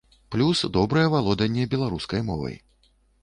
Плюс добрае валоданне беларускай мовай.